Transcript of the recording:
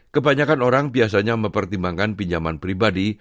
kebanyakan orang biasanya mempertimbangkan pinjaman pribadi